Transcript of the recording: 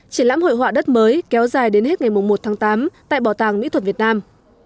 triển lãm hội họa đất mới kéo dài đến hết ngày một tháng tám tại bảo tàng mỹ thuật việt nam